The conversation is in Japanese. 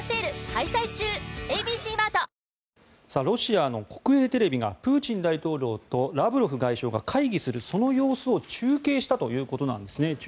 ロシアの国営テレビがプーチン大統領とラブロフ外相が会議する、その様子を中継したということなんですね。